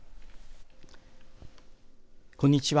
こんにちは。